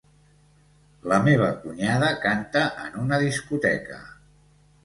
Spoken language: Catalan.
La meva cunyada canta en una discoteca.